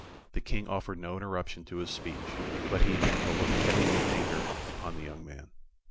The King offered no interruption to his speech, but he bent a look heavy with anger upon the young man.